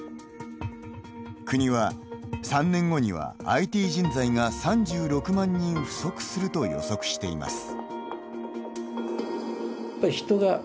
国は、３年後にはＩＴ人材が３６万人不足すると予測しています。